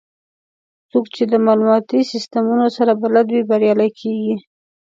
څوک چې د معلوماتي سیستمونو سره بلد وي، بریالي کېږي.